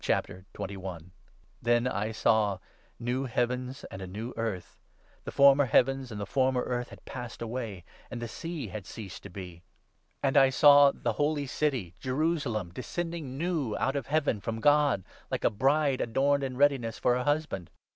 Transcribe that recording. — THE NEW CREATION. Then I saw new heavens and a new earth. The former i heavens and the former earth had passed away ; and the sea has ceased to be. And I saw the Holy City, Jerusalem, 2 REVELATION OF JOHN, 21. 521 descending new out of Heaven from God, like a bride adorned in readiness for her husband.